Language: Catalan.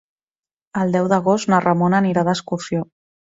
El deu d'agost na Ramona anirà d'excursió.